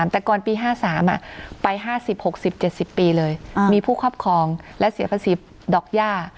แต่ก่อนปี๕๓ไป๕๐๖๐๗๐ปีเลยมีผู้ครอบครองและเสียภาษีดอกย่า